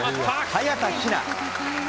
早田ひな。